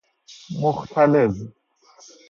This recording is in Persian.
مختلظ